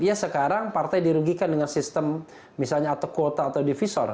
iya sekarang partai dirugikan dengan sistem misalnya atau kuota atau divisor